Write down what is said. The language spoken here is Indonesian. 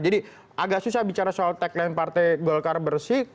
jadi agak susah bicara soal tagline partai golkar bersih